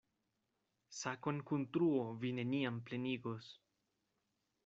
Sakon kun truo vi neniam plenigos.